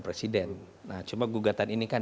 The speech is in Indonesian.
presiden nah cuma gugatan ini kan